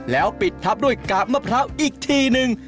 แล้วปิดทับด้วยกาบมะพร้าวอีกทีนึง